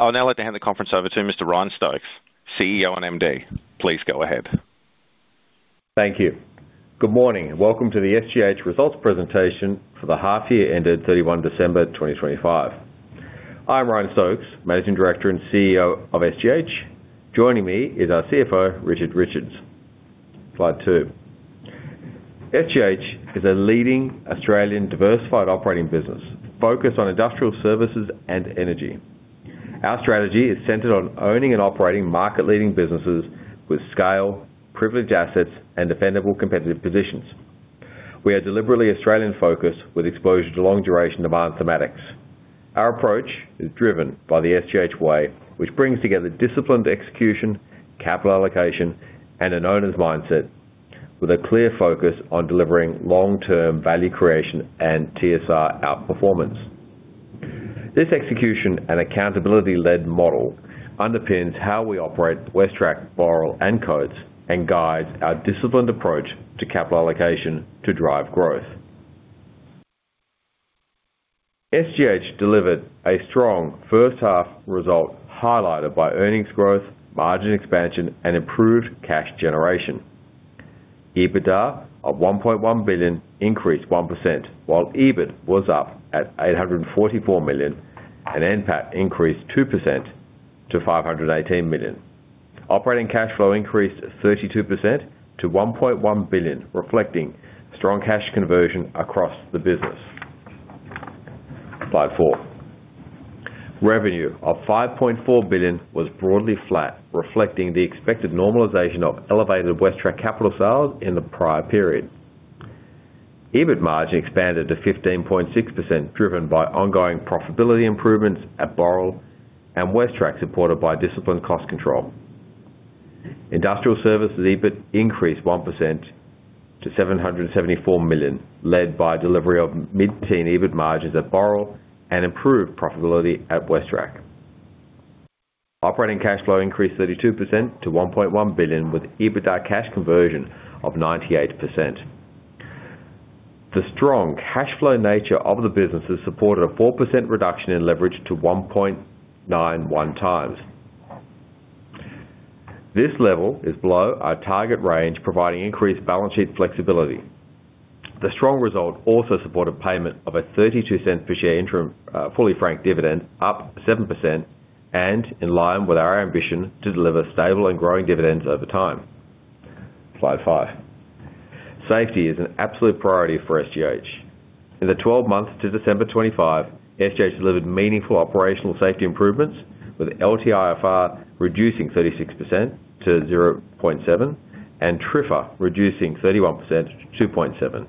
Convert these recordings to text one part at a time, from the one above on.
I'll now hand the conference over to Mr. Ryan Stokes, CEO and MD. Please go ahead. Thank you. Good morning and welcome to the SGH results presentation for the half-year ended 31 December 2025. I'm Ryan Stokes, Managing Director and CEO of SGH. Joining me is our CFO, Richard Richards. Slide two. SGH is a leading Australian diversified operating business focused on industrial services and energy. Our strategy is centered on owning and operating market-leading businesses with scale, privileged assets, and defendable competitive positions. We are deliberately Australian-focused with exposure to long-duration demand thematics. Our approach is driven by the SGH Way, which brings together disciplined execution, capital allocation, and an owners' mindset with a clear focus on delivering long-term value creation and TSR outperformance. This execution and accountability-led model underpins how we operate WesTrac, Boral, and Coates and guides our disciplined approach to capital allocation to drive growth. SGH delivered a strong first-half result highlighted by earnings growth, margin expansion, and improved cash generation. EBITDA of 1.1 billion increased 1% while EBIT was up at 844 million, and NPAT increased 2% to 518 million. Operating cash flow increased 32% to 1.1 billion, reflecting strong cash conversion across the business. Slide four. Revenue of 5.4 billion was broadly flat, reflecting the expected normalization of elevated WesTrac capital sales in the prior period. EBIT margin expanded to 15.6%, driven by ongoing profitability improvements at Boral and WesTrac supported by disciplined cost control. Industrial services EBIT increased 1% to 774 million, led by delivery of mid-teens EBIT margins at Boral and improved profitability at WesTrac. Operating cash flow increased 32% to 1.1 billion with EBITDA cash conversion of 98%. The strong cash flow nature of the businesses supported a 4% reduction in leverage to 1.91x. This level is below our target range, providing increased balance sheet flexibility. The strong result also supported payment of a 0.32 per share interim fully franked dividend, up 7%, and in line with our ambition to deliver stable and growing dividends over time. Slide 5. Safety is an absolute priority for SGH. In the 12 months to December 25, SGH delivered meaningful operational safety improvements with LTIFR reducing 36% to 0.7 and TRIFR reducing 31% to 2.7.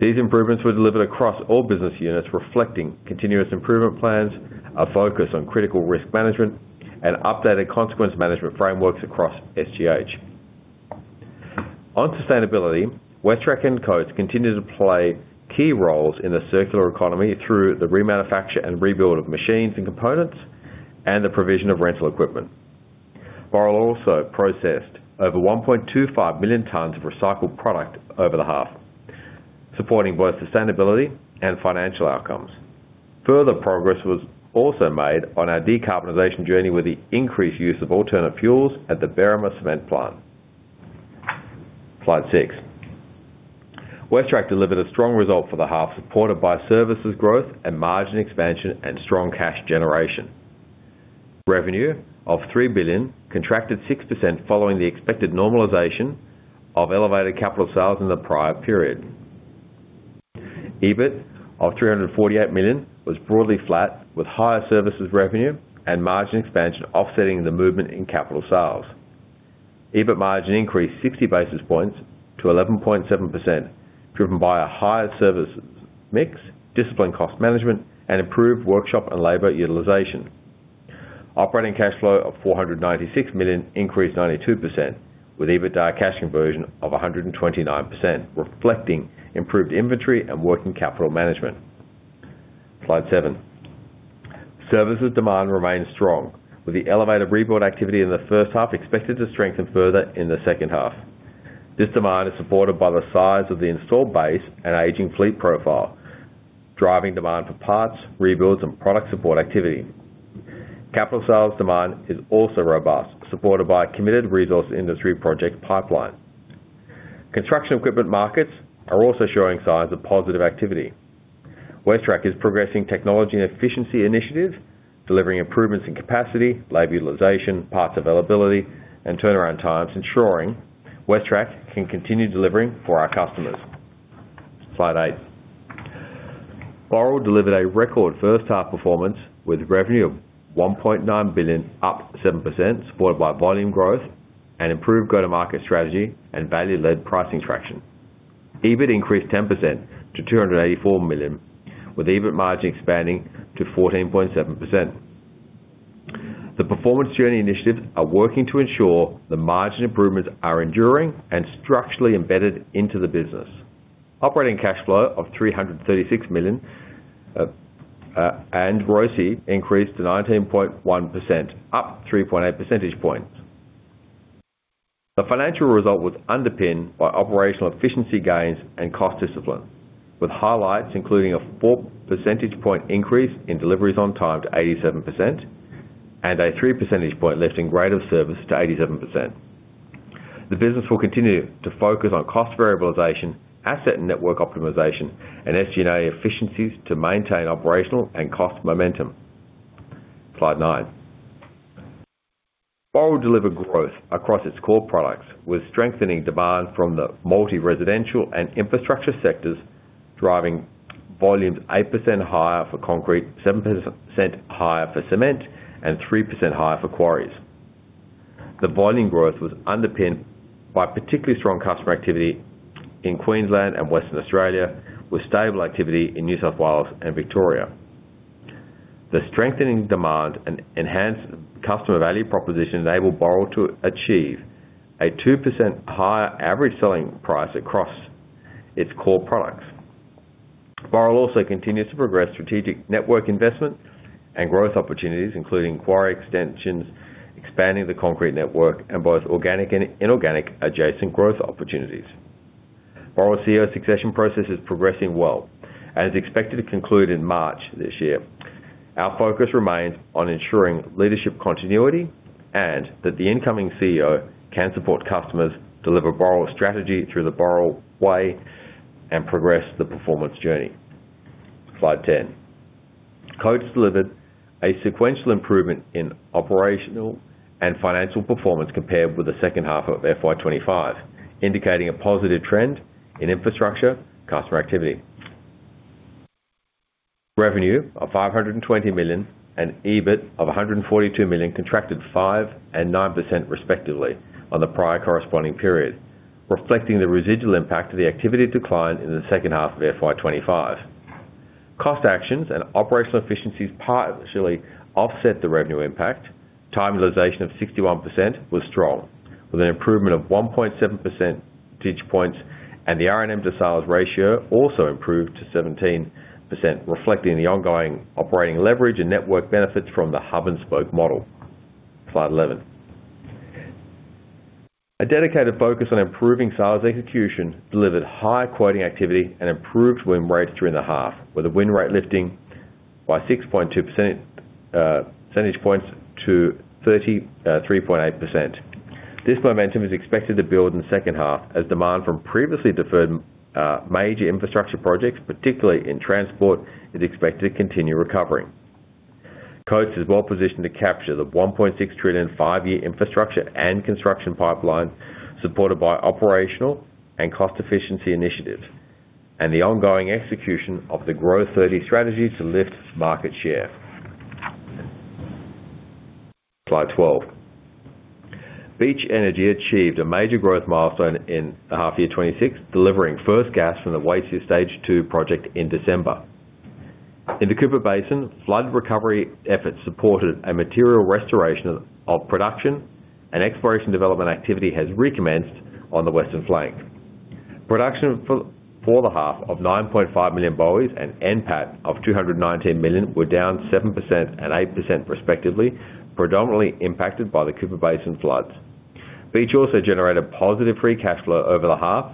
These improvements were delivered across all business units, reflecting continuous improvement plans, a focus on critical risk management, and updated consequence management frameworks across SGH. On sustainability, WesTrac and Coates continue to play key roles in the circular economy through the remanufacture and rebuild of machines and components and the provision of rental equipment. Boral also processed over 1.25 million tonnes of recycled product over the half, supporting both sustainability and financial outcomes. Further progress was also made on our decarbonization journey with the increased use of alternative fuels at the Berrima cement plant. Slide six. WesTrac delivered a strong result for the half, supported by services growth and margin expansion and strong cash generation. Revenue of 3 billion contracted 6% following the expected normalization of elevated capital sales in the prior period. EBIT of 348 million was broadly flat, with higher services revenue and margin expansion offsetting the movement in capital sales. EBIT margin increased 60 basis points to 11.7%, driven by a higher services mix, disciplined cost management, and improved workshop and labor utilization. Operating cash flow of 496 million increased 92% with EBITDA cash conversion of 129%, reflecting improved inventory and working capital management. Slide seven. Services demand remains strong, with the elevated rebuild activity in the first half expected to strengthen further in the second half. This demand is supported by the size of the installed base and aging fleet profile, driving demand for parts, rebuilds, and product support activity. Capital sales demand is also robust, supported by a committed resource industry project pipeline. Construction equipment markets are also showing signs of positive activity. WesTrac is progressing technology and efficiency initiatives, delivering improvements in capacity, labor utilization, parts availability, and turnaround times, ensuring WesTrac can continue delivering for our customers. Slide 8. Boral delivered a record first-half performance with revenue of 1.9 billion, up 7%, supported by volume growth and improved go-to-market strategy and value-led pricing traction. EBIT increased 10% to 284 million, with EBIT margin expanding to 14.7%. The performance journey initiatives are working to ensure the margin improvements are enduring and structurally embedded into the business. Operating cash flow of 336 million and ROCE increased to 19.1%, up 3.8 percentage points. The financial result was underpinned by operational efficiency gains and cost discipline, with highlights including a 4 percentage point increase in deliveries on time to 87% and a 3 percentage point lift in grade of service to 87%. The business will continue to focus on cost variabilization, asset and network optimization, and SG&A efficiencies to maintain operational and cost momentum. Slide nine. Boral delivered growth across its core products, with strengthening demand from the multi-residential and infrastructure sectors, driving volumes 8% higher for concrete, 7% higher for cement, and 3% higher for quarries. The volume growth was underpinned by particularly strong customer activity in Queensland and Western Australia, with stable activity in New South Wales and Victoria. The strengthening demand and enhanced customer value proposition enabled Boral to achieve a 2% higher average selling price across its core products. Boral also continues to progress strategic network investment and growth opportunities, including quarry extensions, expanding the concrete network, and both organic and inorganic adjacent growth opportunities. Boral's CEO succession process is progressing well and is expected to conclude in March this year. Our focus remains on ensuring leadership continuity and that the incoming CEO can support customers, deliver Boral's strategy through the Boral Way, and progress the performance journey. Slide 10. Coates delivered a sequential improvement in operational and financial performance compared with the second half of FY 2025, indicating a positive trend in infrastructure customer activity. Revenue of 520 million and EBIT of 142 million contracted 5% and 9% respectively on the prior corresponding period, reflecting the residual impact of the activity decline in the second half of FY 2025. Cost actions and operational efficiencies partially offset the revenue impact. Time utilization of 61% was strong, with an improvement of 1.7 percentage points and the R&M to sales ratio also improved to 17%, reflecting the ongoing operating leverage and network benefits from the hub-and-spoke model. Slide 11. A dedicated focus on improving sales execution delivered high quoting activity and improved win rates during the half, with the win rate lifting by 6.2 percentage points to 33.8%. This momentum is expected to build in the second half as demand from previously deferred major infrastructure projects, particularly in transport, is expected to continue recovering. Coates is well positioned to capture the 1.6 trillion five-year infrastructure and construction pipeline, supported by operational and cost efficiency initiatives and the ongoing execution of the Growth 30 strategy to lift market share. Slide 12. Beach Energy achieved a major growth milestone in the half-year 2026, delivering first gas from the Waitsia Stage 2 project in December. In the Cooper Basin, flood recovery efforts supported a material restoration of production, and exploration development activity has recommenced on the western flank. Production for the half of 9.5 million BOEs and NPAT of 219 million were down 7% and 8% respectively, predominantly impacted by the Cooper Basin floods. Beach also generated positive free cash flow over the half,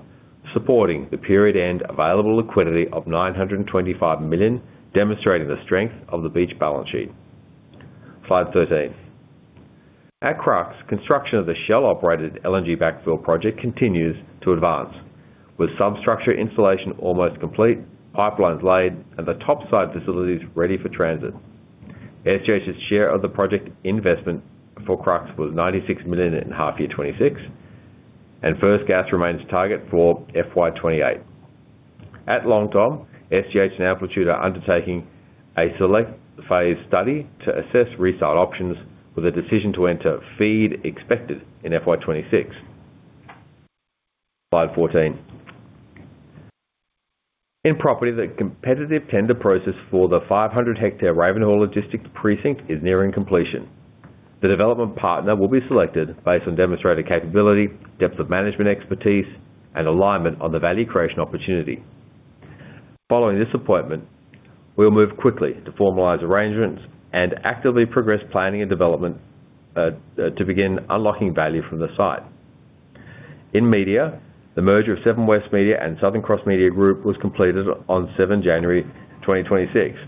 supporting the period-end available liquidity of 925 million, demonstrating the strength of the Beach balance sheet. Slide 13. At Crux, construction of the Shell-operated LNG backfill project continues to advance, with substructure installation almost complete, pipelines laid, and the topside facilities ready for transit. SGH's share of the project investment for Crux was 96 million in half-year 2026, and first gas remains target for FY 2028. At Long Tom, SGH and Amplus are undertaking a select phase study to assess resale options, with a decision to enter FEED expected in FY 2026. Slide 14. In property, the competitive tender process for the 500 ha Ravenhall Logistics Precinct is nearing completion. The development partner will be selected based on demonstrated capability, depth of management expertise, and alignment on the value creation opportunity. Following this appointment, we'll move quickly to formalize arrangements and actively progress planning and development to begin unlocking value from the site. In media, the merger of Seven West Media and Southern Cross Media Group was completed on 7 January 2026.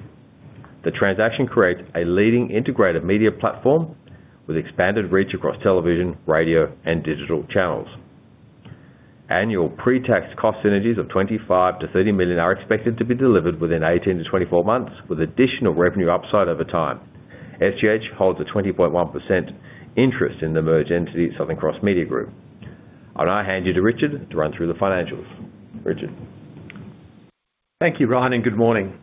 The transaction creates a leading integrated media platform with expanded reach across television, radio, and digital channels. Annual pre-tax cost synergies of 25 million-30 million are expected to be delivered within 18-24 months, with additional revenue upside over time. SGH holds a 20.1% interest in the merged entity Southern Cross Media Group. I'll now hand you to Richard to run through the financials. Richard. Thank you, Ryan, and good morning.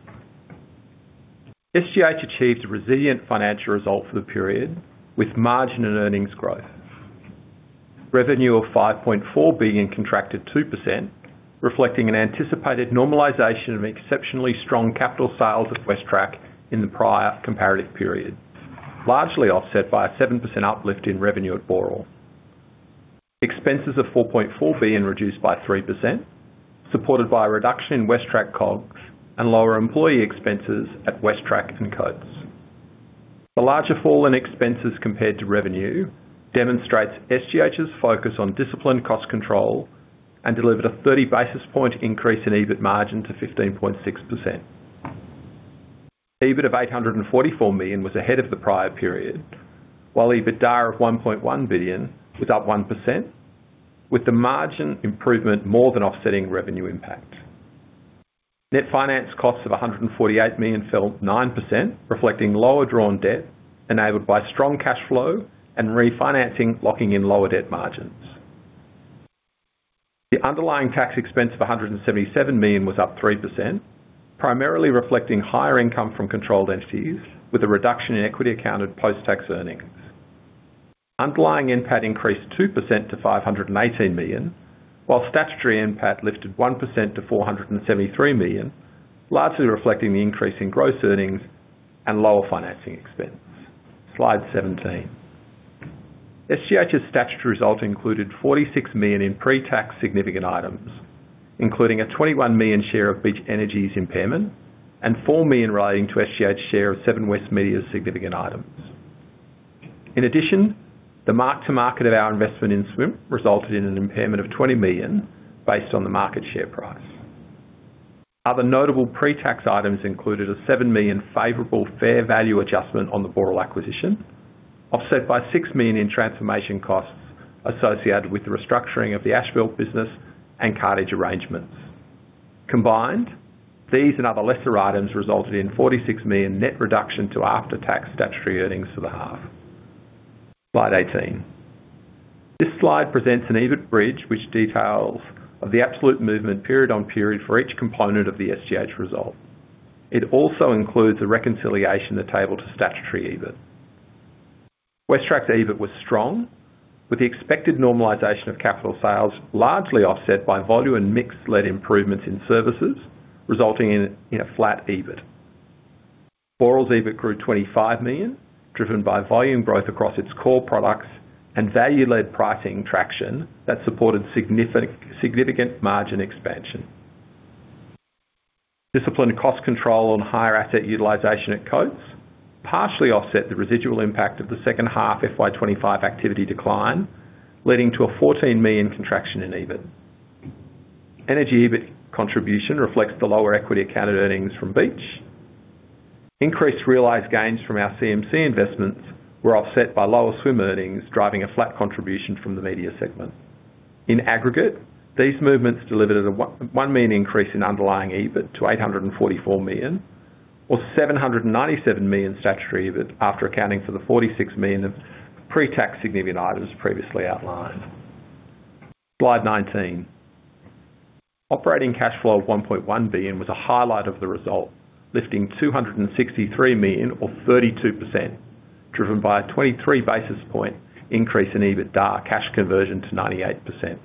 SGH achieved a resilient financial result for the period with margin and earnings growth. Revenue of 5.4 billion contracted 2%, reflecting an anticipated normalization of exceptionally strong capital sales at WesTrac in the prior comparative period, largely offset by a 7% uplift in revenue at Boral. Expenses of 4.4 billion reduced by 3%, supported by a reduction in WesTrac COGS and lower employee expenses at WesTrac and Coates. The larger fall in expenses compared to revenue demonstrates SGH's focus on disciplined cost control and delivered a 30 basis point increase in EBIT margin to 15.6%. EBIT of 844 million was ahead of the prior period, while EBITDA of 1.1 billion was up 1%, with the margin improvement more than offsetting revenue impact. Net finance costs of 148 million fell 9%, reflecting lower drawn debt enabled by strong cash flow and refinancing locking in lower debt margins. The underlying tax expense of 177 million was up 3%, primarily reflecting higher income from controlled entities, with a reduction in equity accounted post-tax earnings. Underlying NPAT increased 2% to 518 million, while statutory NPAT lifted 1% to 473 million, largely reflecting the increase in gross earnings and lower financing expense. Slide 17. SGH's statutory result included 46 million in pre-tax significant items, including a 21 million share of Beach Energy's impairment and 4 million relating to SGH's share of Seven West Media's significant items. In addition, the mark-to-market of our investment in SWM resulted in an impairment of 20 million based on the market share price. Other notable pre-tax items included a 7 million favorable fair value adjustment on the Boral acquisition, offset by 6 million in transformation costs associated with the restructuring of the asphalt business and cartage arrangements. Combined, these and other lesser items resulted in 46 million net reduction to after-tax statutory earnings for the half. Slide 18. This slide presents an EBIT bridge, which details the absolute movement period-on-period for each component of the SGH result. It also includes a reconciliation of the table to statutory EBIT. WesTrac's EBIT was strong, with the expected normalisation of capital sales largely offset by volume and mix-led improvements in services, resulting in a flat EBIT. Boral's EBIT grew 25 million, driven by volume growth across its core products and value-led pricing traction that supported significant margin expansion. Disciplined cost control on higher asset utilization at Coates partially offset the residual impact of the second half FY 2025 activity decline, leading to a 14 million contraction in EBIT. Energy EBIT contribution reflects the lower equity accounted earnings from Beach. Increased realized gains from our SCM investments were offset by lower SWM earnings, driving a flat contribution from the media segment. In aggregate, these movements delivered a 1 million increase in underlying EBIT to 844 million, or 797 million statutory EBIT after accounting for the 46 million of pre-tax significant items previously outlined. Slide 19. Operating cash flow of 1.1 billion was a highlight of the result, lifting 263 million, or 32%, driven by a 23 basis points increase in EBITDA cash conversion to 98%.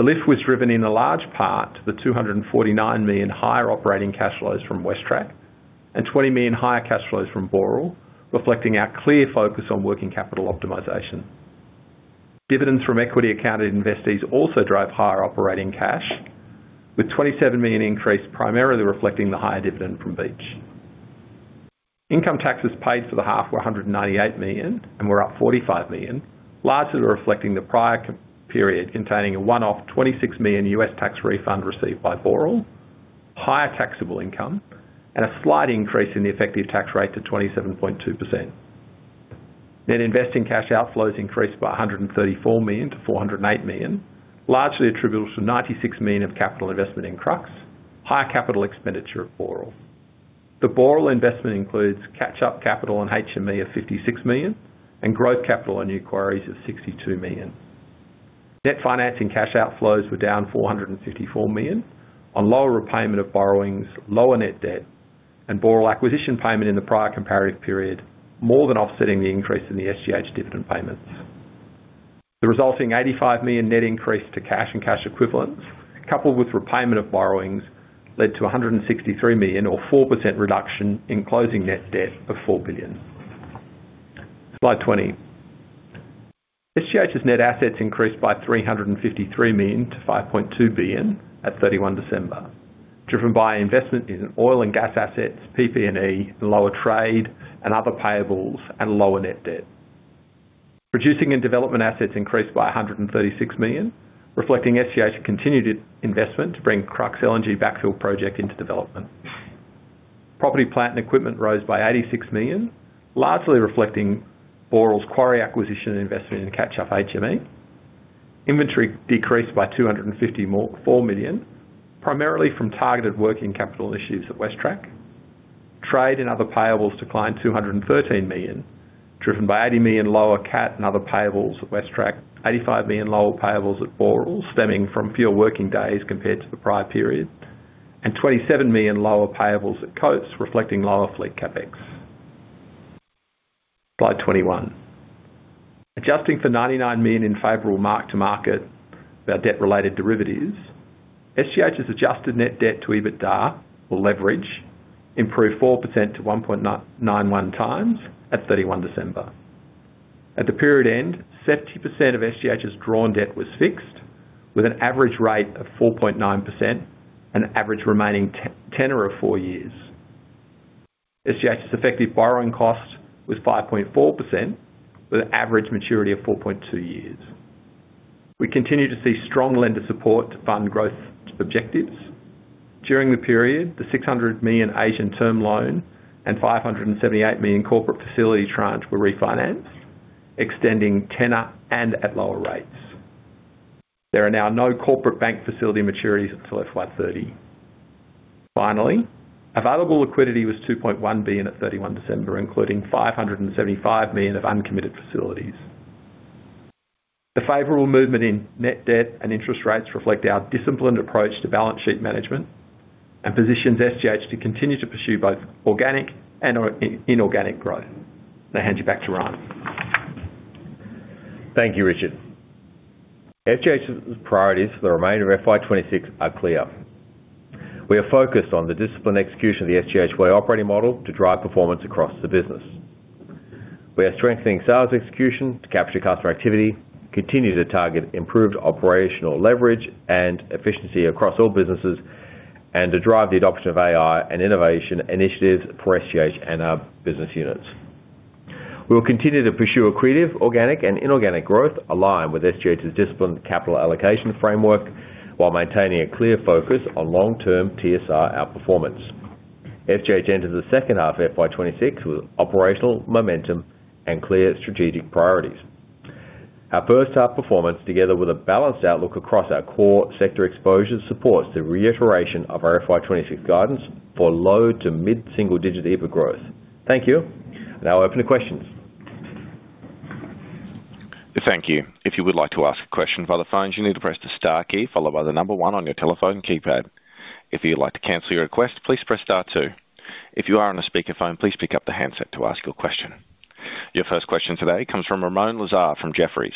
The lift was driven in a large part to the 249 million higher operating cash flows from WesTrac and 20 million higher cash flows from Boral, reflecting our clear focus on working capital optimization. Dividends from equity accounted investees also drove higher operating cash, with 27 million increase primarily reflecting the higher dividend from Beach. Income taxes paid for the half were 198 million and were up 45 million, largely reflecting the prior period containing a one-off 26 million U.S. tax refund received by Boral, higher taxable income, and a slight increase in the effective tax rate to 27.2%. Net investing cash outflows increased by 134 million to 408 million, largely attributable to 96 million of capital investment in Crux, higher capital expenditure at Boral. The Boral investment includes catch-up capital on HME of 56 million and growth capital on new quarries of 62 million. Net financing cash outflows were down 454 million on lower repayment of borrowings, lower net debt, and Boral acquisition payment in the prior comparative period, more than offsetting the increase in the SGH dividend payments. The resulting 85 million net increase to cash and cash equivalents, coupled with repayment of borrowings, led to 163 million, or 4% reduction in closing net debt of 4 billion. Slide 20. SGH's net assets increased by AUD 353 million to AUD 5.2 billion at 31 December, driven by investment in oil and gas assets, PP&E, lower trade, and other payables, and lower net debt. Producing and development assets increased by 136 million, reflecting SGH's continued investment to bring Crux LNG backfill project into development. Property plant and equipment rose by 86 million, largely reflecting Boral's quarry acquisition investment in catch-up HME. Inventory decreased by 254 million, primarily from targeted working capital issues at WesTrac. Trade and other payables declined 213 million, driven by 80 million lower CAT and other payables at WesTrac, 85 million lower payables at Boral stemming from fewer working days compared to the prior period, and 27 million lower payables at Coates, reflecting lower fleet capex. Slide 21. Adjusting for 99 million in favorable mark-to-market about debt-related derivatives, SGH's adjusted net debt to EBITDA or leverage improved 4% to 1.91x at 31 December. At the period end, 70% of SGH's drawn debt was fixed, with an average rate of 4.9% and average remaining tenor of four years. SGH's effective borrowing cost was 5.4%, with an average maturity of 4.2 years. We continue to see strong lender support to fund growth objectives. During the period, the 600 million Asian term loan and 578 million corporate facility tranche were refinanced, extending tenor and at lower rates. There are now no corporate bank facility maturities until FY 2030. Finally, available liquidity was 2.1 billion at 31 December, including 575 million of uncommitted facilities. The favorable movement in net debt and interest rates reflect our disciplined approach to balance sheet management and positions SGH to continue to pursue both organic and inorganic growth. I'll now hand you back to Ryan. Thank you, Richard. SGH's priorities for the remainder of FY 2026 are clear. We are focused on the disciplined execution of the SGH Way operating model to drive performance across the business. We are strengthening sales execution to capture customer activity, continue to target improved operational leverage and efficiency across all businesses, and to drive the adoption of AI and innovation initiatives for SGH and our business units. We will continue to pursue accretive, organic, and inorganic growth aligned with SGH's disciplined capital allocation framework while maintaining a clear focus on long-term TSR outperformance. SGH enters the second half of FY 2026 with operational momentum and clear strategic priorities. Our first half performance, together with a balanced outlook across our core sector exposures, supports the reiteration of our FY 2026 guidance for low to mid-single digit EBIT growth. Thank you. I'll now open to questions. Thank you. If you would like to ask a question via the phones, you need to press the star key followed by the number one on your telephone keypad. If you would like to cancel your request, please press star two. If you are on a speakerphone, please pick up the handset to ask your question. Your first question today comes from Ramoun Lazar from Jefferies.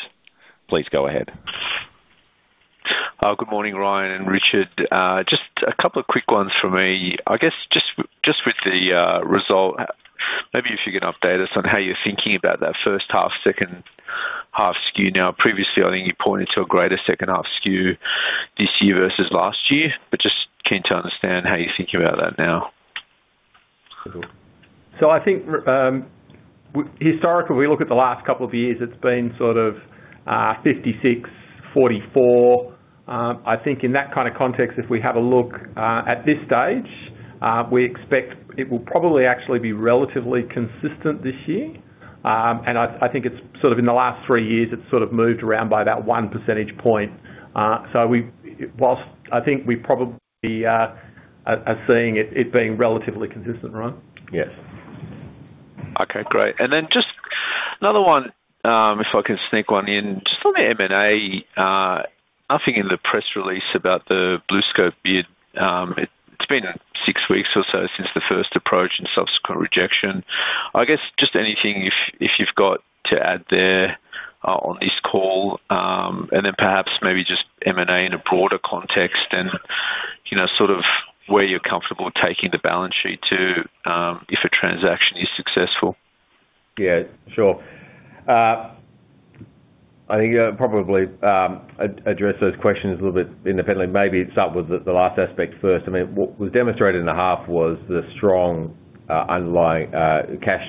Please go ahead. Good morning, Ryan and Richard. Just a couple of quick ones for me. I guess just with the result, maybe if you can update us on how you're thinking about that first half, second half skew now. Previously, I think you pointed to a greater second half skew this year versus last year, but just keen to understand how you're thinking about that now. So I think historically, we look at the last couple of years, it's been sort of 56, 44. I think in that kind of context, if we have a look at this stage, we expect it will probably actually be relatively consistent this year. And I think in the last three years, it's sort of moved around by about 1 percentage point. So I think we probably are seeing it being relatively consistent, Ramoun? Yes. Okay. Great. And then just another one, if I can sneak one in. Just on the M&A, nothing in the press release about the BlueScope bid. It's been six weeks or so since the first approach and subsequent rejection. I guess just anything if you've got to add there on this call, and then perhaps maybe just M&A in a broader context and sort of where you're comfortable taking the balance sheet to if a transaction is successful. Yeah. Sure. I think I'll probably address those questions a little bit independently. Maybe start with the last aspect first. I mean, what was demonstrated in the half was the strong underlying cash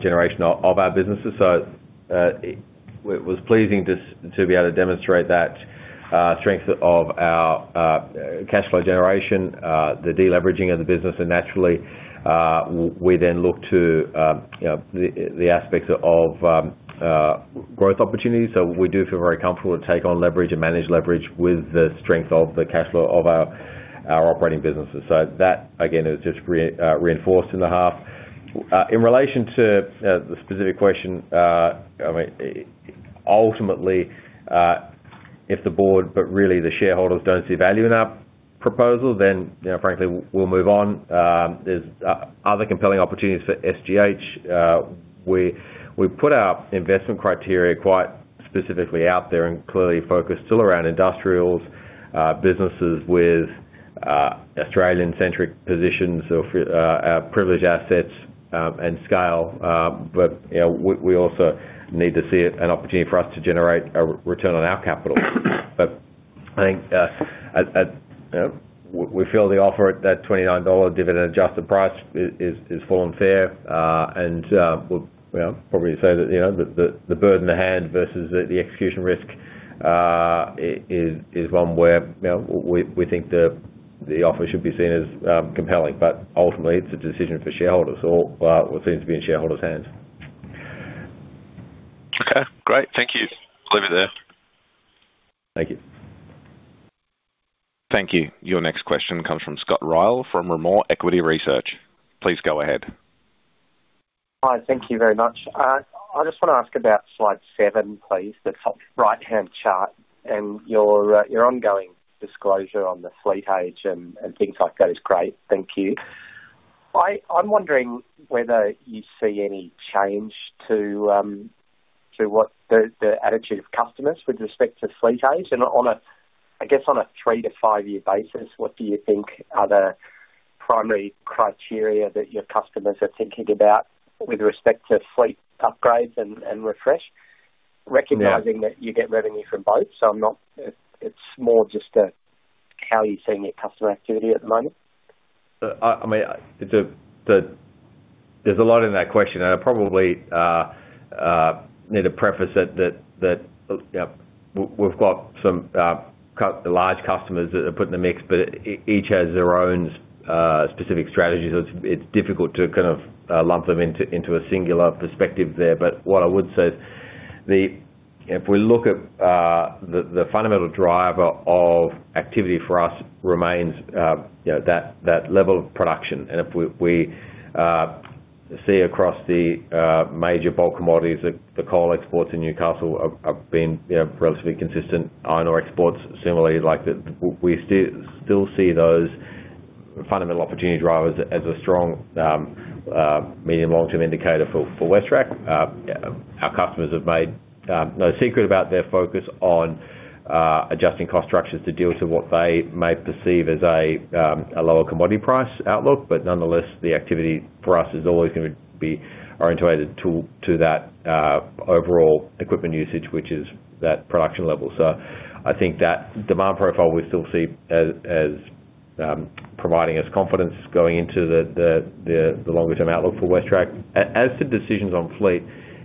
generation of our businesses. So it was pleasing to be able to demonstrate that strength of our cash flow generation, the deleveraging of the business. Naturally, we then look to the aspects of growth opportunities. So we do feel very comfortable to take on leverage and manage leverage with the strength of the cash flow of our operating businesses. So that, again, is just reinforced in the half. In relation to the specific question, I mean, ultimately, if the board, but really the shareholders don't see value in our proposal, then frankly, we'll move on. There's other compelling opportunities for SGH. We put our investment criteria quite specifically out there and clearly focused still around industrials, businesses with Australian-centric positions or privileged assets and scale. But we also need to see an opportunity for us to generate a return on our capital. But I think we feel the offer at that 29 dollar dividend adjusted price is full and fair. And we'll probably say that the burden to hand versus the execution risk is one where we think the offer should be seen as compelling. But ultimately, it's a decision for shareholders or what seems to be in shareholders' hands. Okay. Great. Thank you. Leave it there. Thank you. Thank you. Your next question comes from Scott Ryall from Rimor Equity Research. Please go ahead. Hi. Thank you very much. I just want to ask about slide seven, please, the right-hand chart. And your ongoing disclosure on the fleet age and things like that is great. Thank you. I'm wondering whether you see any change to the attitude of customers with respect to fleet age. And I guess on a three to five-year basis, what do you think are the primary criteria that your customers are thinking about with respect to fleet upgrades and refresh, recognizing that you get revenue from both? So it's more just how you're seeing your customer activity at the moment. I mean, there's a lot in that question. I probably need to preface it that we've got some large customers that are put in the mix, but each has their own specific strategies. So it's difficult to kind of lump them into a singular perspective there. But what I would say is if we look at the fundamental driver of activity for us remains that level of production. And if we see across the major bulk commodities, the coal exports in Newcastle have been relatively consistent, iron ore exports similarly. We still see those fundamental opportunity drivers as a strong medium-long-term indicator for WesTrac. Our customers have made no secret about their focus on adjusting cost structures to deal to what they may perceive as a lower commodity price outlook. But nonetheless, the activity for us is always going to be oriented to that overall equipment usage, which is that production level. So I think that demand profile we still see as providing us confidence going into the longer-term outlook for WesTrac. As to decisions on fleet,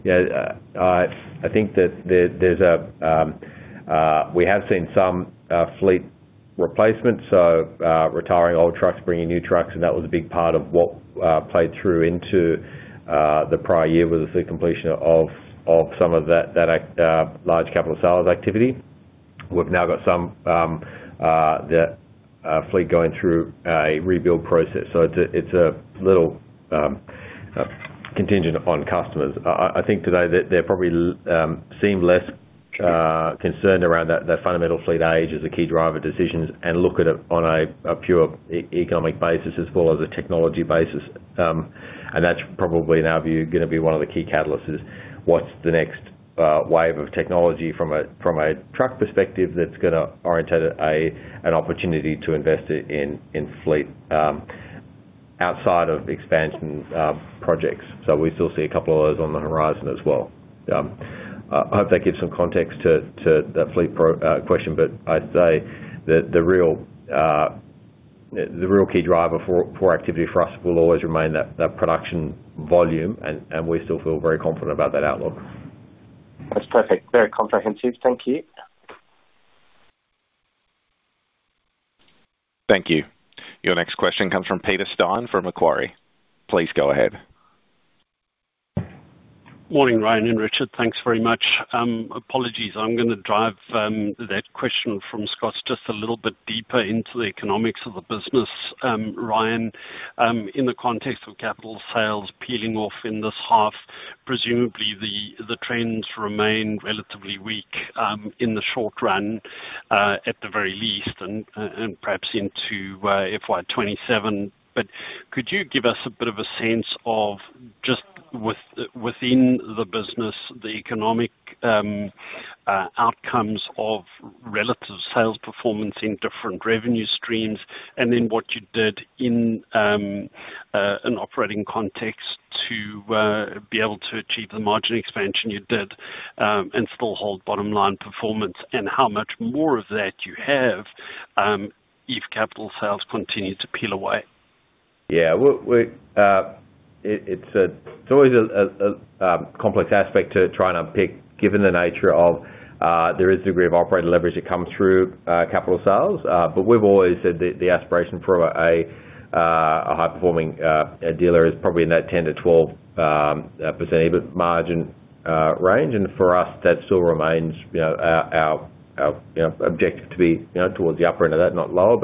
I think that there's a we have seen some fleet replacement, so retiring old trucks, bringing new trucks. And that was a big part of what played through into the prior year with the completion of some of that large capex activity. We've now got some fleet going through a rebuild process. So it's a little contingent on customers. I think today that they probably seem less concerned around that fundamental fleet age as a key driver of decisions and look at it on a pure economic basis as well as a technology basis. And that's probably, in our view, going to be one of the key catalysts. What's the next wave of technology from a truck perspective that's going to orientate an opportunity to invest it in fleet outside of expansion projects? So we still see a couple of those on the horizon as well. I hope that gives some context to that fleet question. But I'd say that the real key driver for activity for us will always remain that production volume. And we still feel very confident about that outlook. That's perfect. Very comprehensive. Thank you. Thank you. Your next question comes from Peter Steyn from Macquarie. Please go ahead. Morning, Ryan and Richard. Thanks very much. Apologies. I'm going to drive that question from Scott just a little bit deeper into the economics of the business. Ryan, in the context of capital sales peeling off in this half, presumably the trends remain relatively weak in the short run, at the very least, and perhaps into FY 2027. But could you give us a bit of a sense of just within the business, the economic outcomes of relative sales performance in different revenue streams, and then what you did in an operating context to be able to achieve the margin expansion you did and still hold bottom-line performance, and how much more of that you have if capital sales continue to peel away? Yeah. It's always a complex aspect to try and unpick, given the nature of there is a degree of operating leverage that comes through capital sales. But we've always said the aspiration for a high-performing dealer is probably in that 10%-12% EBIT margin range. For us, that still remains our objective to be towards the upper end of that, not lower.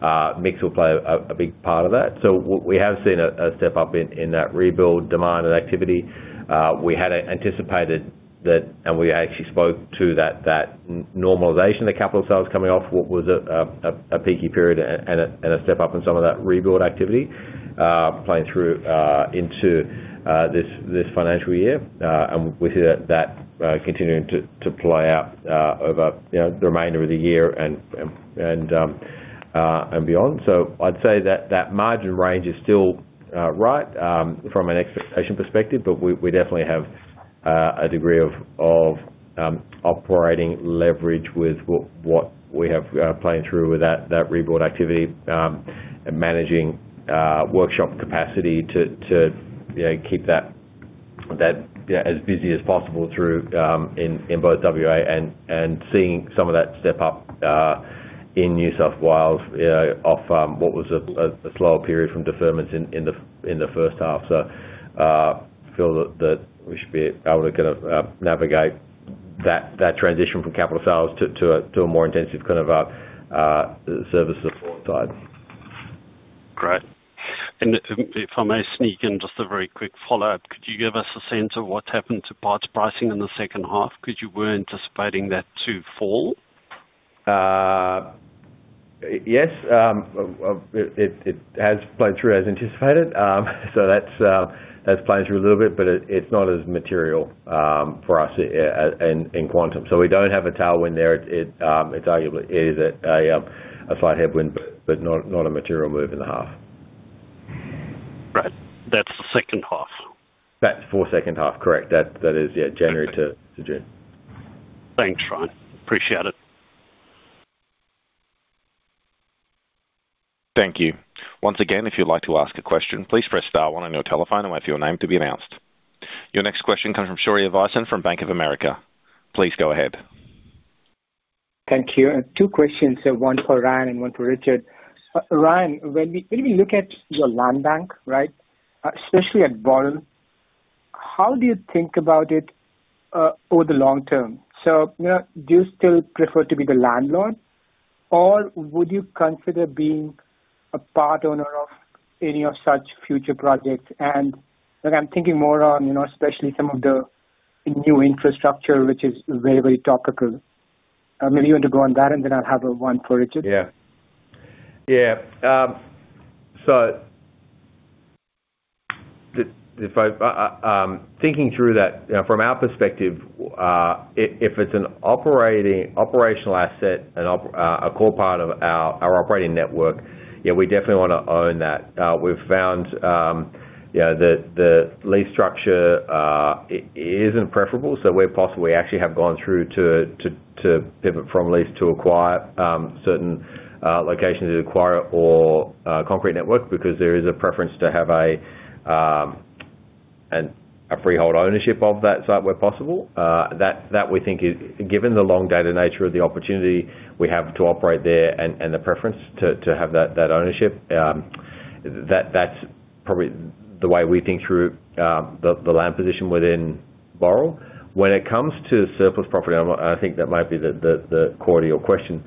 But mix will play a big part of that. So we have seen a step up in that rebuild demand and activity. We had anticipated that and we actually spoke to that normalization of capital sales coming off what was a peaky period and a step up in some of that rebuild activity playing through into this financial year. And we see that continuing to play out over the remainder of the year and beyond. So I'd say that that margin range is still right from an expectation perspective. But we definitely have a degree of operating leverage with what we have playing through with that rebuild activity and managing workshop capacity to keep that as busy as possible in both WA and seeing some of that step up in New South Wales off what was a slower period from deferments in the first half. So I feel that we should be able to kind of navigate that transition from capital sales to a more intensive kind of service support side. Great. And if I may sneak in just a very quick follow-up, could you give us a sense of what's happened to parts pricing in the second half? Were you anticipating that to fall? Yes. It has played through as anticipated. So that's playing through a little bit. But it's not as material for us in quantum. So we don't have a tailwind there. It's arguably it is a slight headwind but not a material move in the half. Great. That's the second half. That's for second half. Correct. That is, yeah, January to June. Thanks, Ryan. Appreciate it. Thank you. Once again, if you'd like to ask a question, please press star one on your telephone and wait for your name to be announced. Your next question comes from Shaurya Visen from Bank of America. Please go ahead. Thank you. Two questions, one for Ryan and one for Richard. Ryan, when we look at your land bank, right, especially at Boral, how do you think about it over the long term? So do you still prefer to be the landlord, or would you consider being a part owner of any of such future projects? And I'm thinking more on especially some of the new infrastructure, which is very, very topical. Maybe you want to go on that, and then I'll have one for Richard. Yeah. Yeah. So thinking through that from our perspective, if it's an operational asset, a core part of our operating network, we definitely want to own that. We've found that the lease structure isn't preferable. So where possible, we actually have gone through to pivot from lease to acquire certain locations to acquire it or concrete network because there is a preference to have a freehold ownership of that site where possible. That we think is given the long-dated nature of the opportunity we have to operate there and the preference to have that ownership, that's probably the way we think through the land position within Boral. When it comes to surplus property, and I think that might be the core of your question,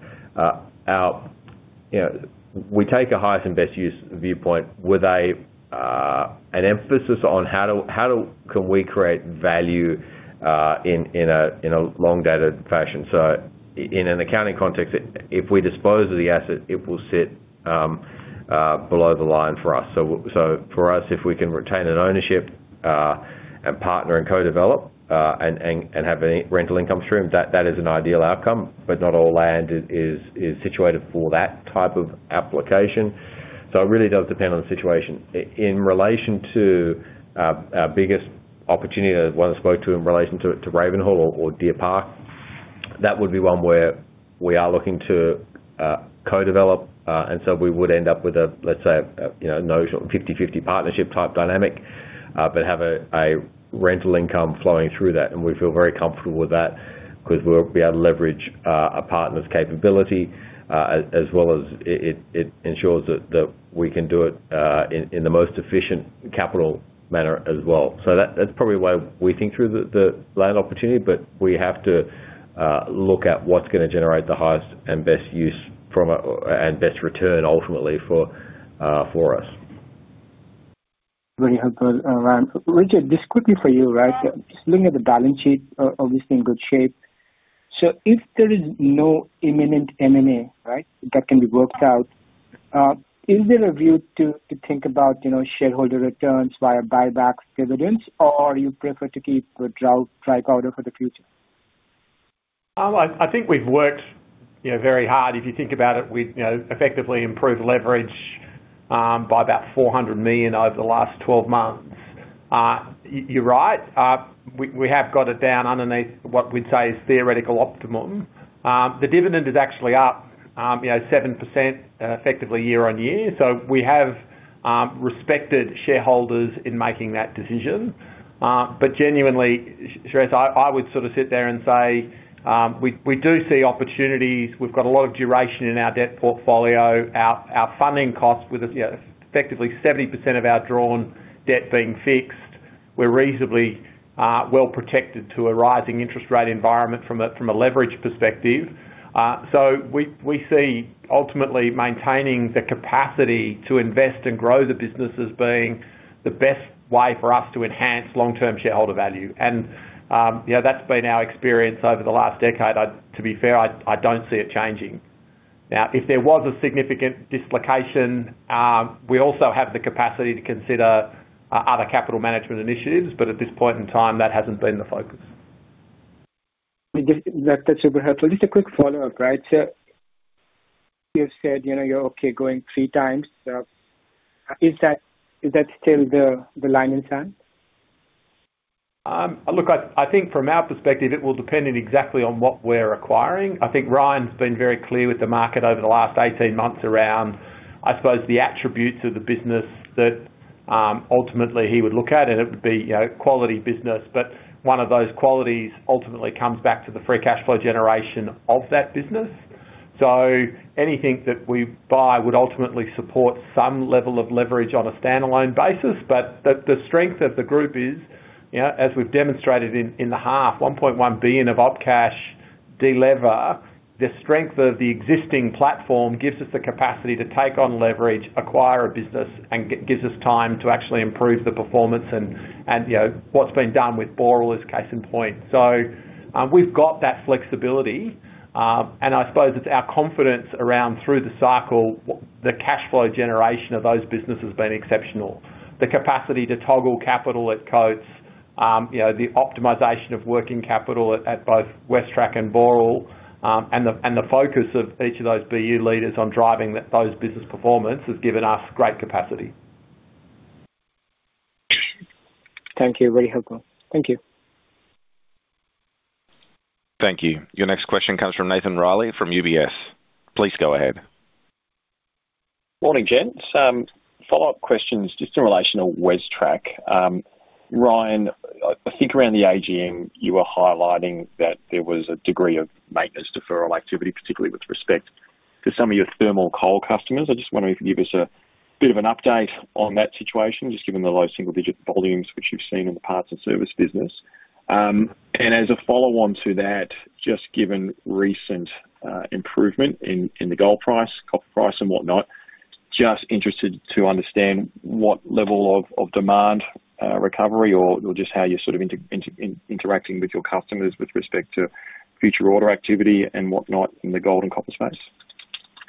we take a highest and best use viewpoint with an emphasis on how can we create value in a long-dated fashion. So in an accounting context, if we dispose of the asset, it will sit below the line for us. So for us, if we can retain an ownership and partner and co-develop and have rental income stream, that is an ideal outcome. But not all land is situated for that type of application. So it really does depend on the situation. In relation to our biggest opportunity, the one I spoke to in relation to Ravenhall or Deer Park, that would be one where we are looking to co-develop. And so we would end up with, let's say, a 50/50 partnership type dynamic but have a rental income flowing through that. And we feel very comfortable with that because we'll be able to leverage a partner's capability as well as it ensures that we can do it in the most efficient capital manner as well. So that's probably why we think through the land opportunity. But we have to look at what's going to generate the highest and best use and best return, ultimately, for us. Very helpful, Ryan. Richard, this quickly for you, right? Just looking at the balance sheet, obviously in good shape. So if there is no imminent M&A, right, that can be worked out, is there a view to think about shareholder returns via buybacks, dividends, or you prefer to keep dry powder in store for the future? I think we've worked very hard. If you think about it, we've effectively improved leverage by about 400 million over the last 12 months. You're right. We have got it down underneath what we'd say is theoretical optimum. The dividend is actually up 7% effectively year-on-year. So we have respected shareholders in making that decision. But genuinely, Shaurya, I would sort of sit there and say we do see opportunities. We've got a lot of duration in our debt portfolio. Our funding cost with effectively 70% of our drawn debt being fixed, we're reasonably well protected to a rising interest rate environment from a leverage perspective. So we see, ultimately, maintaining the capacity to invest and grow the business as being the best way for us to enhance long-term shareholder value. And that's been our experience over the last decade. To be fair, I don't see it changing. Now, if there was a significant dislocation, we also have the capacity to consider other capital management initiatives. At this point in time, that hasn't been the focus. That's super helpful. Just a quick follow-up, right? So you've said you're okay going three times. Is that still the line in the sand? Look, I think from our perspective, it will depend exactly on what we're acquiring. I think Ryan's been very clear with the market over the last 18 months around, I suppose, the attributes of the business that ultimately he would look at. And it would be quality business. But one of those qualities ultimately comes back to the free cash flow generation of that business. So anything that we buy would ultimately support some level of leverage on a standalone basis. But the strength of the group is, as we've demonstrated in the half, 1.1 billion of operating cash de-lever, the strength of the existing platform gives us the capacity to take on leverage, acquire a business, and gives us time to actually improve the performance. And what's been done with Boral is case in point. So we've got that flexibility. And I suppose it's our confidence around through the cycle, the cash flow generation of those businesses being exceptional, the capacity to toggle capital at Coates, the optimization of working capital at both WesTrac and Boral, and the focus of each of those BU leaders on driving those business performance has given us great capacity. Thank you. Very helpful. Thank you. Thank you. Your next question comes from Nathan Reilly from UBS. Please go ahead. Morning, gents. Follow-up questions just in relation to WesTrac. Ryan, I think around the AGM, you were highlighting that there was a degree of maintenance deferral activity, particularly with respect to some of your thermal coal customers. I just wonder if you could give us a bit of an update on that situation, just given the low single-digit volumes which you've seen in the parts and service business. And as a follow-on to that, just given recent improvement in the gold price, copper price, and whatnot, just interested to understand what level of demand recovery or just how you're sort of interacting with your customers with respect to future order activity and whatnot in the gold and copper space.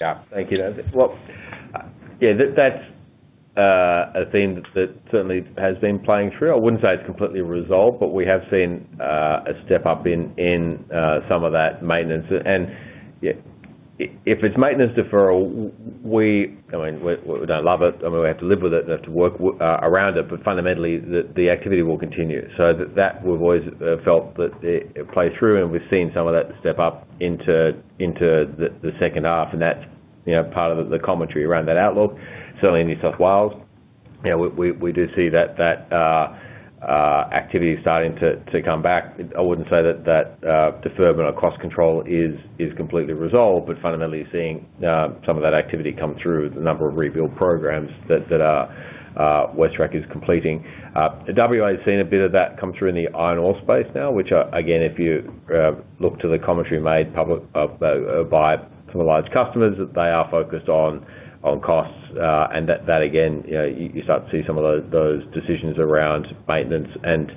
Yeah. Thank you. Well, yeah, that's a theme that certainly has been playing through. I wouldn't say it's completely resolved. But we have seen a step up in some of that maintenance. If it's maintenance deferral, I mean, we don't love it. I mean, we have to live with it and have to work around it. But fundamentally, the activity will continue. We've always felt that it played through. We've seen some of that step up into the second half. That's part of the commentary around that outlook. Certainly, in New South Wales, we do see that activity starting to come back. I wouldn't say that that deferment or cost control is completely resolved. But fundamentally, you're seeing some of that activity come through, the number of rebuild programs that WesTrac is completing. WA's seen a bit of that come through in the iron ore space now, which, again, if you look to the commentary made by some of the large customers, that they are focused on costs. And that, again, you start to see some of those decisions around maintenance and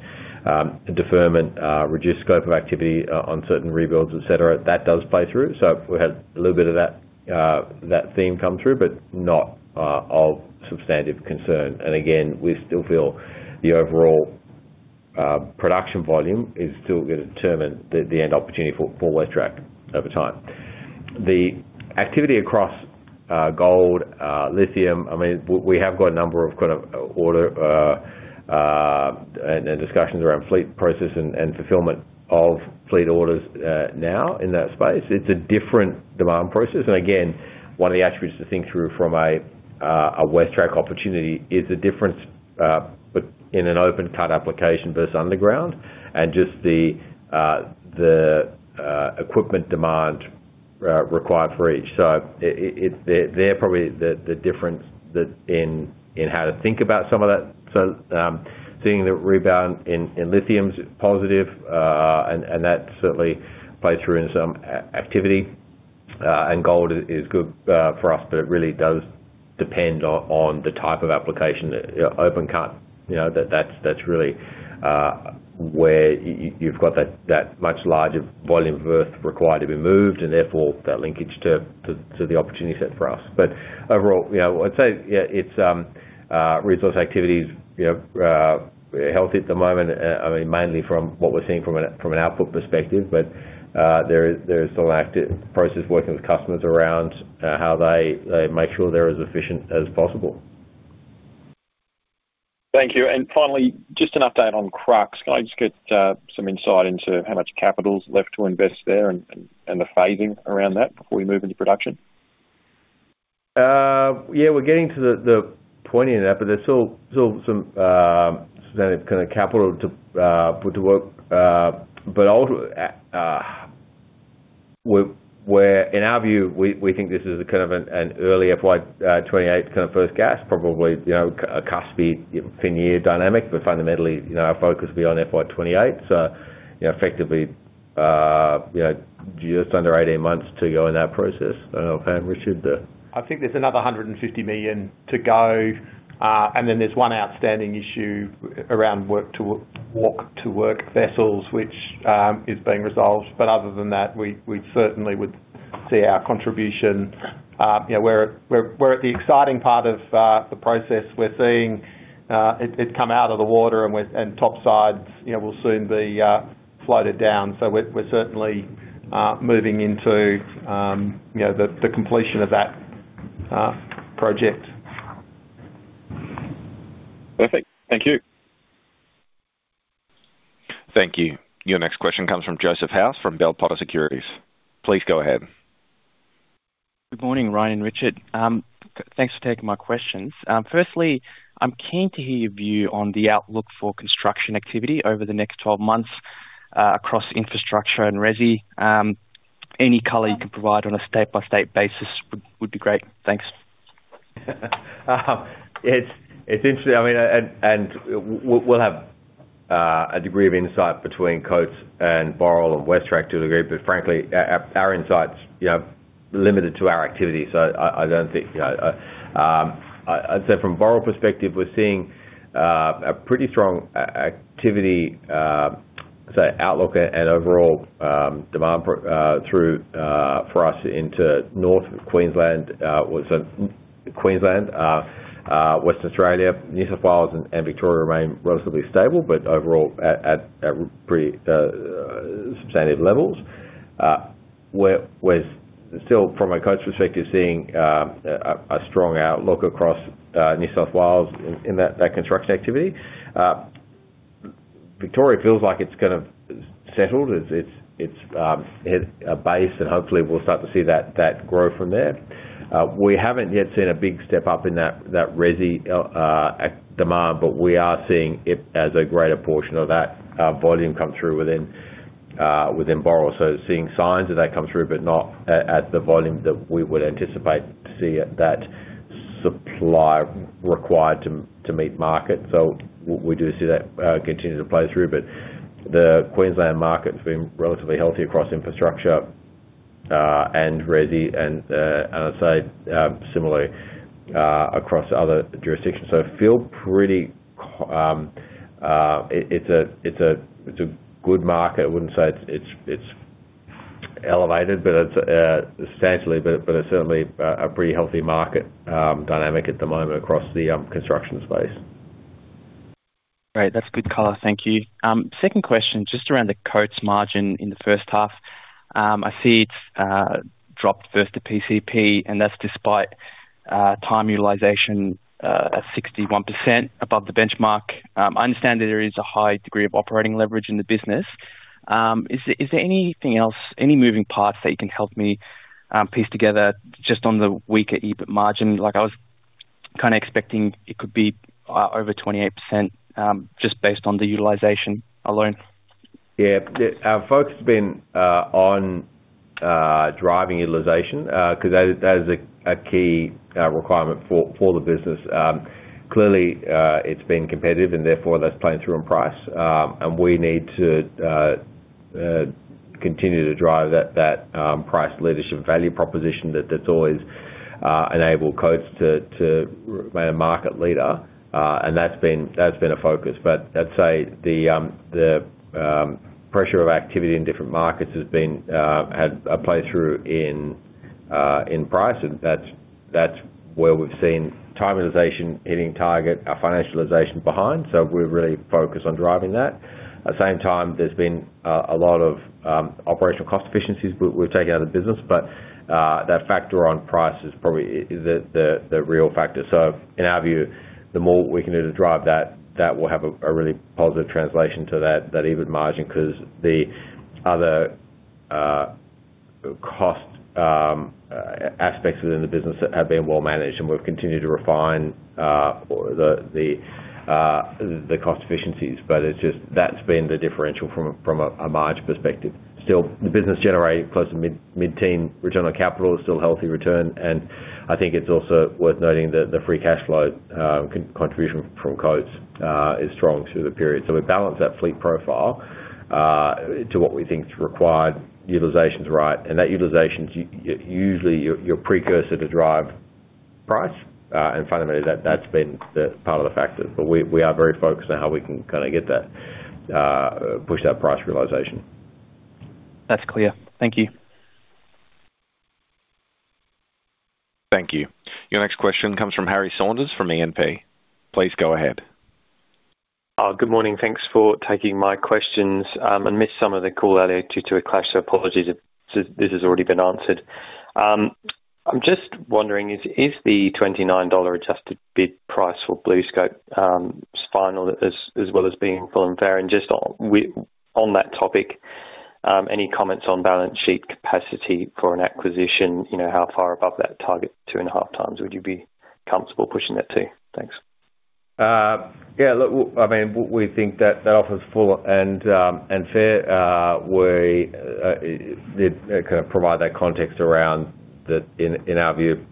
deferment, reduced scope of activity on certain rebuilds, etc., that does play through. So we had a little bit of that theme come through but not of substantive concern. And again, we still feel the overall production volume is still going to determine the end opportunity for WesTrac over time. The activity across gold, lithium, I mean, we have got a number of kind of order and discussions around fleet process and fulfillment of fleet orders now in that space. It's a different demand process. And again, one of the attributes to think through from a WesTrac opportunity is the difference in an open-cut application versus underground and just the equipment demand required for each. So they're probably the difference in how to think about some of that. So seeing the rebound in lithium is positive, and that certainly plays through in some activity. And gold is good for us. But it really does depend on the type of application, open-cut. That's really where you've got that much larger volume of earth required to be moved and, therefore, that linkage to the opportunity set for us. But overall, I'd say it's resource activities healthy at the moment, I mean, mainly from what we're seeing from an output perspective. But there is still a process working with customers around how they make sure they're as efficient as possible. Thank you. And finally, just an update on Crux. Can I just get some insight into how much capital's left to invest there and the phasing around that before we move into production? Yeah. We're getting to the point in that. But there's still some substantive kind of capital to put to work. But in our view, we think this is kind of an early FY 2028 kind of first gas, probably a cuspy fiscal year dynamic. But fundamentally, our focus will be on FY 2028. So effectively, just under 18 months to go in that process. I don't know if Richard. I think there's another 150 million to go. And then there's one outstanding issue around walk-to-work vessels, which is being resolved. But other than that, we certainly would see our contribution. We're at the exciting part of the process. We're seeing it come out of the water. And topsides will soon be floated down. So we're certainly moving into the completion of that project. Perfect. Thank you. Thank you. Your next question comes from Joseph House from Bell Potter Securities. Please go ahead. Good morning, Ryan and Richard. Thanks for taking my questions. Firstly, I'm keen to hear your view on the outlook for construction activity over the next 12 months across infrastructure and resi. Any color you can provide on a state-by-state basis would be great. Thanks. It's interesting. I mean, we'll have a degree of insight between Coates and Boral and WesTrac to a degree. But frankly, our insight's limited to our activity. So I don't think I'd say from Boral perspective, we're seeing a pretty strong activity, so outlook and overall demand for us into north Queensland so Queensland, Western Australia, New South Wales, and Victoria remain relatively stable but overall at pretty substantive levels. We're still, from a Coates perspective, seeing a strong outlook across New South Wales in that construction activity. Victoria feels like it's kind of settled. It's hit a base. Hopefully, we'll start to see that grow from there. We haven't yet seen a big step up in that resi demand. But we are seeing it as a greater portion of that volume come through within Boral. So seeing signs of that come through but not at the volume that we would anticipate to see that supply required to meet market. So we do see that continue to play through. But the Queensland market's been relatively healthy across infrastructure and resi. And I'd say similarly across other jurisdictions. So feel pretty it's a good market. I wouldn't say it's elevated substantially. But it's certainly a pretty healthy market dynamic at the moment across the construction space. Great. That's good color. Thank you. Second question just around the Coates margin in the first half. I see it's dropped first to PCP. That's despite time utilization at 61% above the benchmark. I understand that there is a high degree of operating leverage in the business. Is there anything else, any moving parts that you can help me piece together just on the weaker EBIT margin? I was kind of expecting it could be over 28% just based on the utilization alone. Yeah. Focus has been on driving utilization because that is a key requirement for the business. Clearly, it's been competitive. And therefore, that's playing through in price. And we need to continue to drive that price leadership value proposition that's always enabled Coates to remain a market leader. And that's been a focus. But I'd say the pressure of activity in different markets has had a play through in price. And that's where we've seen time utilization hitting target, our financial utilization behind. So we're really focused on driving that. At the same time, there's been a lot of operational cost efficiencies we've taken out of the business. But that factor on price is probably the real factor. So in our view, the more we can do to drive that, that will have a really positive translation to that EBIT margin because the other cost aspects within the business have been well managed. And we've continued to refine the cost efficiencies. But that's been the differential from a margin perspective. Still, the business generated close to mid-teens return on capital, is still healthy return. And I think it's also worth noting that the free cash flow contribution from Coates is strong through the period. So we balance that fleet profile to what we thinks required utilizations right. And that utilizations, usually, is a precursor to drive price. And fundamentally, that's been part of the factors. But we are very focused on how we can kind of push that price realization. That's clear. Thank you. Thank you. Your next question comes from Harry Saunders from E&P. Please go ahead. Good morning. Thanks for taking my questions. I missed some of the call earlier due to a clash. So apologies if this has already been answered. I'm just wondering, is the 29 dollar adjusted bid price for BlueScope final as well as being full and fair? And just on that topic, any comments on balance sheet capacity for an acquisition, how far above that target 2.5x would you be comfortable pushing that to? Thanks. Yeah. Look, I mean, we think that offer's full and fair. We did kind of provide that context around that. In our view,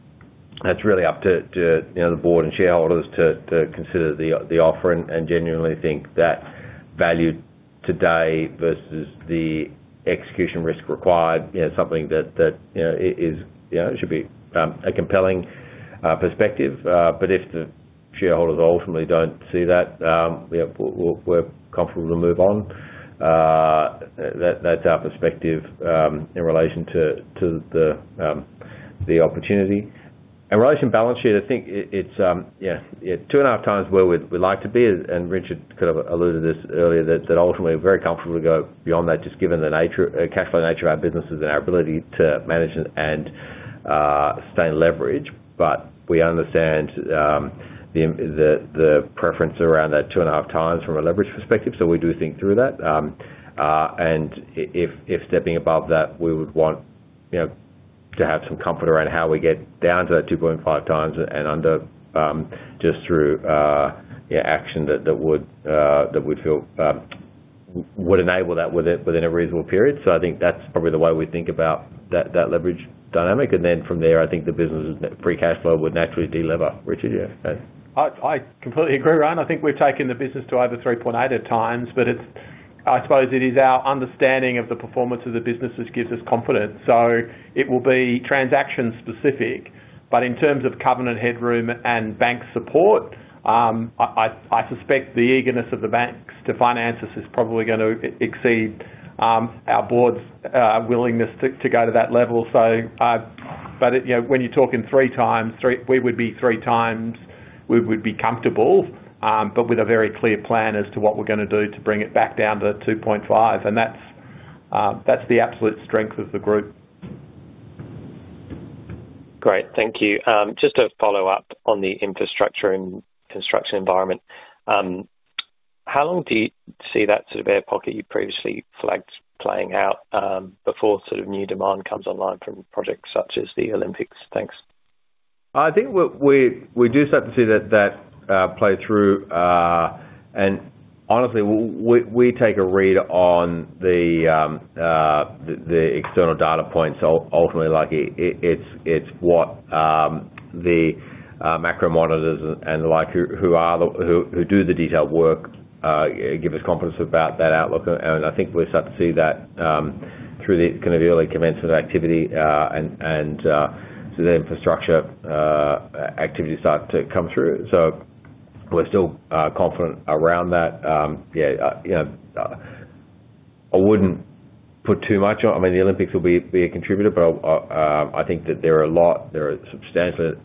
that's really up to the board and shareholders to consider the offer. Genuinely think that value today versus the execution risk required, something that should be a compelling perspective. But if the shareholders ultimately don't see that, we're comfortable to move on. That's our perspective in relation to the opportunity. In relation to balance sheet, I think it's 2.5x where we'd like to be. Richard kind of alluded to this earlier, that ultimately, we're very comfortable to go beyond that just given the cash flow nature of our businesses and our ability to manage and sustain leverage. But we understand the preference around that 2.5x from a leverage perspective. So we do think through that. If stepping above that, we would want to have some comfort around how we get down to that 2.5x and under just through action that would enable that within a reasonable period. So I think that's probably the way we think about that leverage dynamic. Then from there, I think the business's free cash flow would naturally deliver. Richard, yeah? I completely agree, Ryan. I think we've taken the business to either 3.8x at times. But I suppose it is our understanding of the performance of the business that gives us confidence. So it will be transaction-specific. But in terms of covenant headroom and bank support, I suspect the eagerness of the banks to finance us is probably going to exceed our board's willingness to go to that level. But when you're talking 3x, we would be 3x we would be comfortable but with a very clear plan as to what we're going to do to bring it back down to 2.5x. And that's the absolute strength of the group. Great. Thank you. Just to follow-up on the infrastructure and construction environment, how long do you see that sort of air pocket you previously flagged playing out before sort of new demand comes online from projects such as the Olympics? Thanks. I think we do start to see that playthrough. And honestly, we take a read on the external data points. Ultimately, it's what the macro monitors and the like who do the detailed work give us confidence about that outlook. And I think we'll start to see that through the kind of early commencement activity and through the infrastructure activity start to come through. So we're still confident around that. Yeah. I wouldn't put too much on I mean, the Olympics will be a contributor. But I think there are a substantial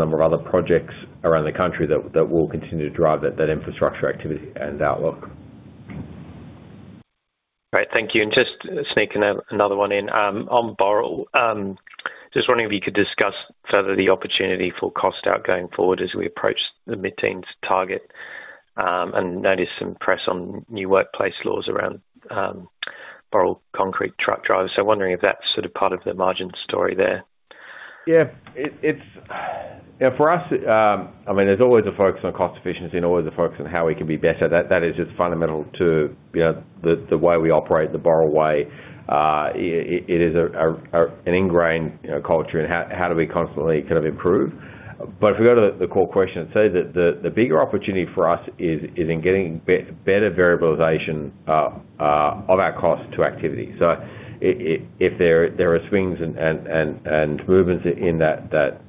number of other projects around the country that will continue to drive that infrastructure activity and outlook. Great. Thank you. And just sneaking another one in on Boral, just wondering if you could discuss further the opportunity for cost out going forward as we approach the mid-teens target and notice some press on new workplace laws around Boral concrete truck drivers. So wondering if that's sort of part of the margin story there. Yeah. For us, I mean, there's always a focus on cost efficiency and always a focus on how we can be better. That is just fundamental to the way we operate, the Boral Way. It is an ingrained culture. And how do we constantly kind of improve? But if we go to the core question, I'd say that the bigger opportunity for us is in getting better variabilization of our cost to activity. So if there are swings and movements in that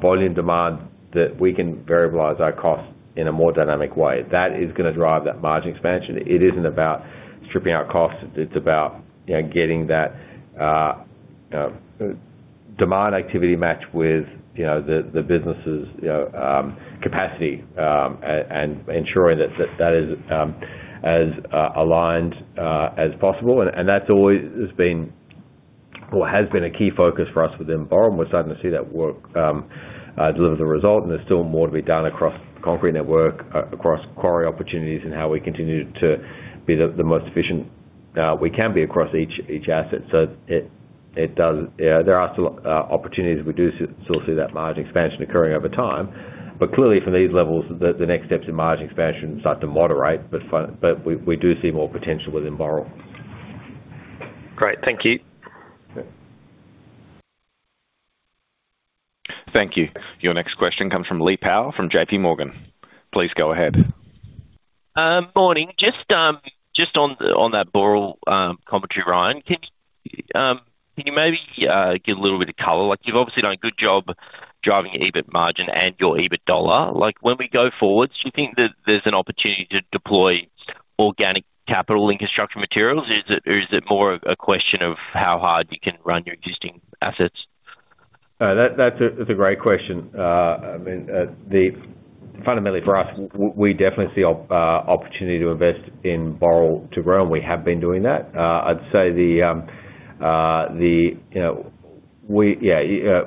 volume demand that we can variabilize our cost in a more dynamic way, that is going to drive that margin expansion. It isn't about stripping out costs. It's about getting that demand activity matched with the business's capacity and ensuring that that is as aligned as possible. And that's always been or has been a key focus for us within Boral. We're starting to see that work deliver the result. And there's still more to be done across concrete network, across quarry opportunities, and how we continue to be the most efficient we can be across each asset. So there are still opportunities. We do still see that margin expansion occurring over time. But clearly, from these levels, the next steps in margin expansion start to moderate. But we do see more potential within Boral. Great. Thank you. Thank you. Your next question comes from Lee Power from JPMorgan. Please go ahead. Morning. Just on that Boral commentary, Ryan, can you maybe give a little bit of color? You've obviously done a good job driving your EBIT margin and your EBIT dollar. When we go forward, do you think that there's an opportunity to deploy organic capital in construction materials? Or is it more a question of how hard you can run your existing assets? That's a great question. I mean, fundamentally, for us, we definitely see opportunity to invest in Boral to grow. And we have been doing that. I'd say the yeah.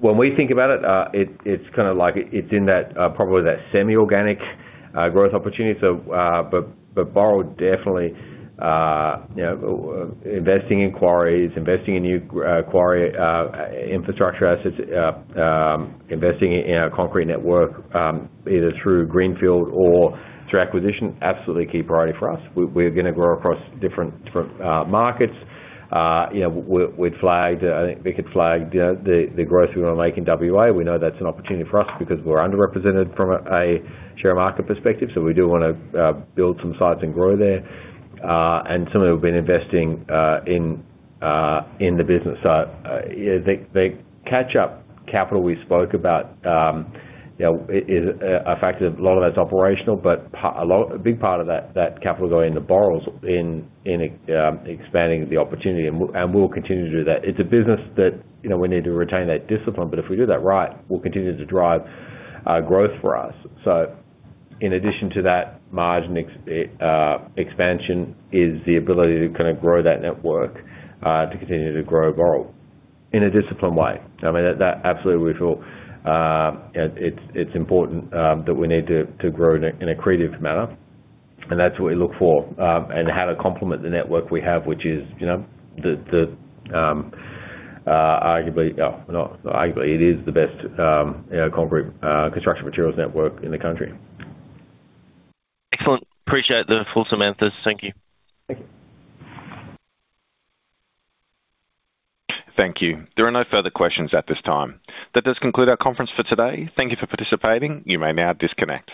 When we think about it, it's kind of like it's in probably that semi-organic growth opportunity. But Boral definitely investing in quarries, investing in new quarry infrastructure assets, investing in our concrete network either through greenfield or through acquisition, absolutely key priority for us. We're going to grow across different markets. We'd flagged I think we could flag the growth we want to make in WA. We know that's an opportunity for us because we're underrepresented from a share market perspective. So we do want to build some sites and grow there. And some of them have been investing in the business. So the catch-up capital we spoke about is a factor that a lot of that's operational. But a big part of that capital going into Boral's in expanding the opportunity. And we'll continue to do that. It's a business that we need to retain that discipline. But if we do that right, we'll continue to drive growth for us. So in addition to that, margin expansion is the ability to kind of grow that network, to continue to grow Boral in a disciplined way. I mean, that absolutely we feel it's important that we need to grow in a accretive manner. And that's what we look for and how to complement the network we have, which is arguably the best concrete construction materials network in the country. Excellent. Appreciate the full thematics. Thank you. Thank you. There are no further questions at this time. That does conclude our conference for today. Thank you for participating. You may now disconnect.